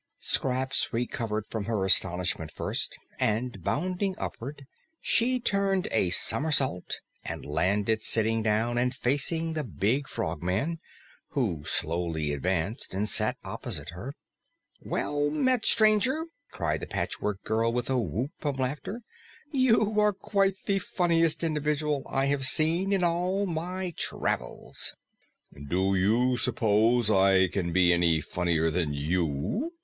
Scraps recovered from her astonishment first, and bounding upward, she turned a somersault and landed sitting down and facing the big Frogman, who slowly advanced and sat opposite her. "Well met, Stranger!" cried the Patchwork Girl with a whoop of laughter. "You are quite the funniest individual I have seen in all my travels." "Do you suppose I can be any funnier than you?"